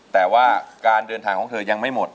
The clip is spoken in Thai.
แต่ว่าการเดินทางของเธอยังไม่หมด